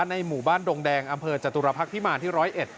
ในหมู่บ้านดงแดงอำเภอจตุรพักษ์พิมารที่๑๐๑